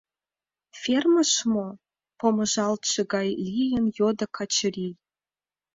— Фермыш мо? — помыжалтше гай лийын, йодо Качырий.